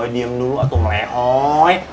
diam dulu atuh lehoi